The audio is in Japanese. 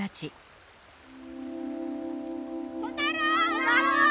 小太郎！